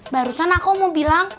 barusan aku mau bilang